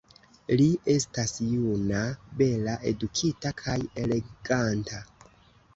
Li estas juna, bela, edukita kaj eleganta.